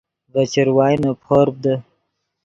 ڤے چروائے نے پورپ دے